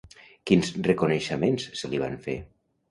Quins reconeixements se li van fer?